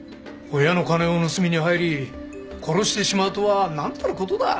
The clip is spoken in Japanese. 親の金を盗みに入り殺してしまうとはなんたる事だ。